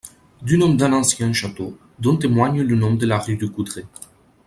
Du nom d'un ancien château, dont témoigne le nom de la rue du Coudray.